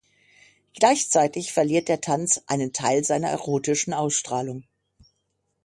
Gleichzeitig verliert der Tanz einen Teil seiner erotischen Ausstrahlung.